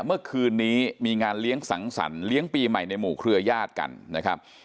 เมื่อคืนนี้มีงานเลี้ยงสังสรรค์เลี้ยงปีใหม่ในหมู่เครือญาติกันนะครับ